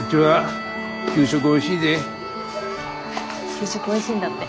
給食おいしいんだって。